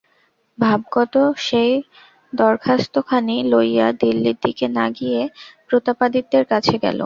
ভাগবত সেই দরখাস্তখানি লইয়া দিল্লির দিকে না গিয়া প্রতাপাদিত্যের কাছে গেল।